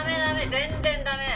全然駄目」